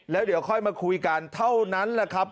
แล้วเดี๋ยวค่อยมาคุยกันเท่านั้นแหละครับ